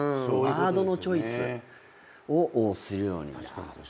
ワードのチョイスをするようになった。